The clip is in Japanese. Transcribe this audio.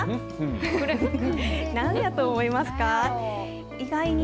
これ、何やと思いますか。